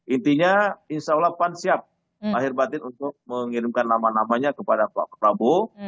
intinya insya allah pan siap lahir batin untuk mengirimkan nama namanya kepada pak prabowo